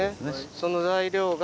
その材料が。